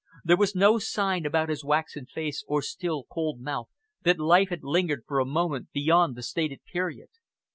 There was no sign about his waxen face or still, cold mouth that life had lingered for a moment beyond the stated period.